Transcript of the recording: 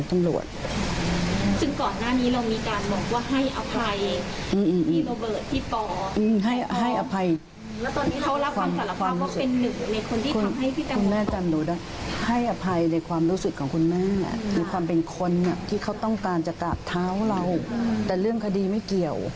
มีคนที่เขาต้องการจะกราบเท้าเราแต่เรื่องคดีไม่เกี่ยว